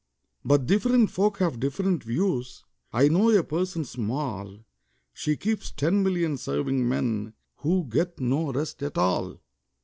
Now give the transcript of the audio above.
But different folk have different views; I know a person small She keeps ten million serving men, Who get no rest at all!